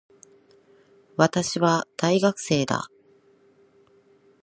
私は、大学生だ。